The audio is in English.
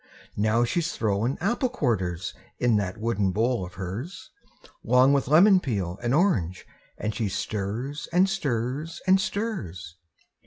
Now she's throwin' apple quarters In that wooden bowl of hers, 'Long with lemon peel and orange, An' she stirs, an' stirs, an' stirs.